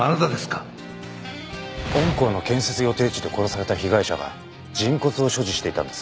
御校の建設予定地で殺された被害者が人骨を所持していたんです。